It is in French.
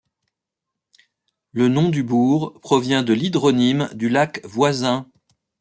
Le nom du bourg provient de l'hydronyme du lac voisin.